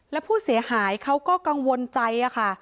แล้วผู้เสียหายเขาก็กังวลใจค่ะ